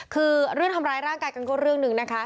คือเรื่องทำร้ายร่างกายกันก็เรื่องหนึ่งนะคะ